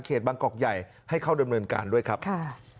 เขตบางกอกใหญ่ให้เข้าด้วยมากันด้วยครับค่ะ